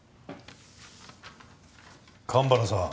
神原さん。